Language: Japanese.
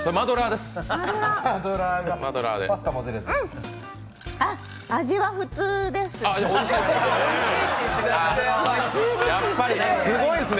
すごーい。